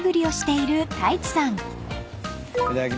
いただきます。